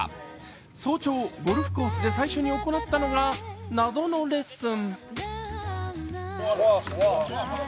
早朝ゴルフコースで最初に行ったのが謎のレッスン。